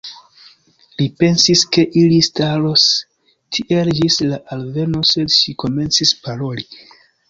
Li pensis ke ili staros tiel ĝis la alveno, sed ŝi komencis paroli.